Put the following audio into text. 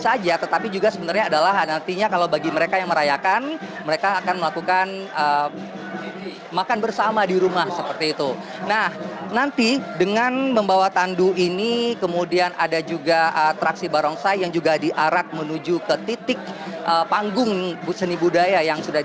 kita tahu bahwa sekarang raya cap gome ini sudah menjadi perayaan untuk semuanya